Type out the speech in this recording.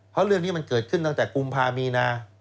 เพราะเรื่องนี้มันเกิดขึ้นตั้งแต่กุมภามีนา